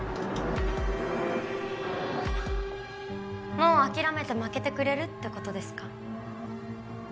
もう諦めて負けてくれるってことですか？